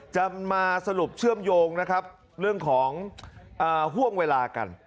จะมาสรุปเชื่อมโยงนะครับเรื่องของห่วงเวลากัน